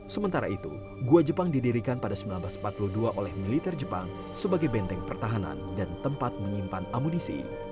sementara itu gua jepang didirikan pada seribu sembilan ratus empat puluh dua oleh militer jepang sebagai benteng pertahanan dan tempat menyimpan amunisi